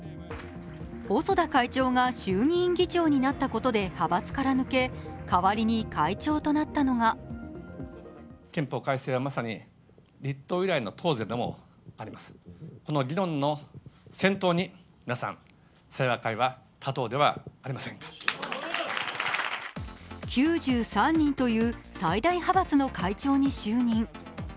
細田会長が衆議院議長になったことで派閥から抜け、代わりに会長となったのが９３人という最大派閥の会長に就任。